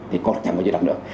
thì cô không có thiết đoạn nữa